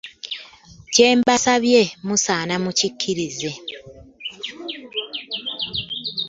Kye mbasabye musaana mukikkirize.